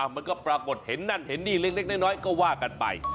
มันก็ปรากฏเห็นนั่นเห็นนี่เล็กน้อยก็ว่ากันไป